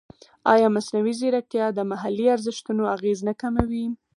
ایا مصنوعي ځیرکتیا د محلي ارزښتونو اغېز نه کموي؟